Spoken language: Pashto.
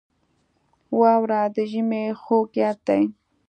• واوره د ژمي خوږ یاد دی.